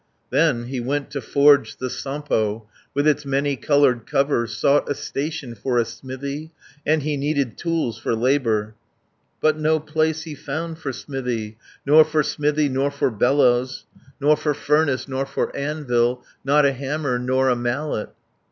280 Then he went to forge the Sampo, With its many coloured cover, Sought a station for a smithy, And he needed tools for labour; But no place he found for smithy, Nor for smithy, nor for bellows, Nor for furnace, nor for anvil, Not a hammer, nor a mallet.